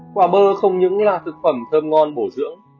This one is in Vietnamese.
quả bơ không những là thực phẩm thơm ngon bổ dưỡng